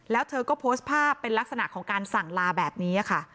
แล้วเธอก็โพสต์ภาพเป็นลักษณะของการสั่งลาแบบนี้ค่ะ